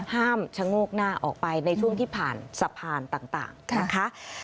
ชะโงกหน้าออกไปในช่วงที่ผ่านสะพานต่างนะคะ